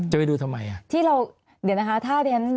จะไปดูทำไม